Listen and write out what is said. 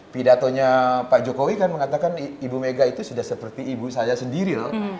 pidatonya pak jokowi kan mengatakan ibu mega itu sudah seperti ibu saya sendiri loh